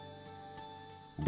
で